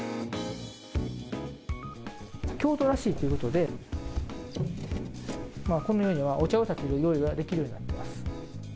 京都らしいということで、このようにお茶をたてる用意ができるようになっています。